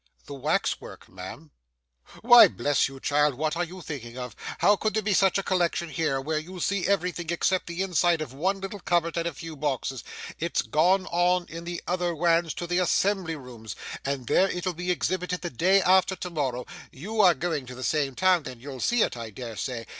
'The wax work, ma'am.' 'Why, bless you, child, what are you thinking of? How could such a collection be here, where you see everything except the inside of one little cupboard and a few boxes? It's gone on in the other wans to the assembly rooms, and there it'll be exhibited the day after to morrow. You are going to the same town, and you'll see it I dare say.